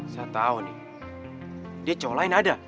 saya tau nih dia cowok lain ada